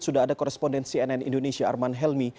sudah ada korespondensi nn indonesia arman helmi